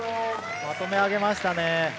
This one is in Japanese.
まとめ上げましたね。